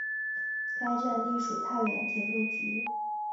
该站隶属太原铁路局。